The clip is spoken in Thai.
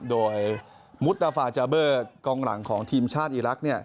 โดยมุดดาฟาจาเบอร์กองหลังของทีมชาติอีรักษ์